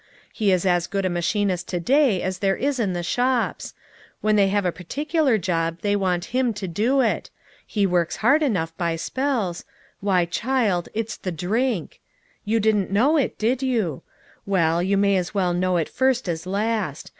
He is as good a machinist to day as there is in the shops ; when they have a particular job they want him to do it. He works hard enough by spells ; why, child, it's the drink. You didn't know it, did you ? Well, you may as well know it first as last.